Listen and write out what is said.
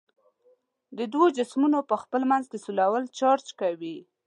د دوو جسمونو په خپل منځ کې سولول چارج کوي.